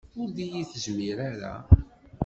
Ur d iyi-tezmir ara.